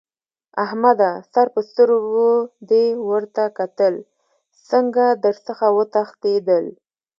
احمده! د سر په سترګو دې ورته کتل؛ څنګه در څخه وتښتېدل؟!